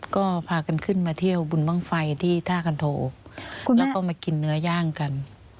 ก็พากันขึ้นมาเที่ยวบุญบ้างไฟที่ท่าคันโทแล้วก็มากินเนื้อย่างกัน